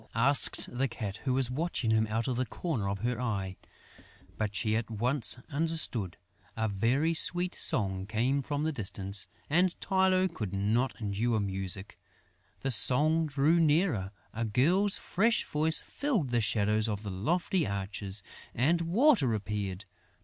asked the Cat, who was watching him out of the corner of her eye. But she at once understood. A very sweet song came from the distance; and Tylô could not endure music. The song drew nearer, a girl's fresh voice filled the shadows of the lofty arches and Water appeared.